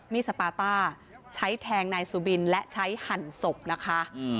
สปาต้าใช้แทงนายสุบินและใช้หั่นศพนะคะ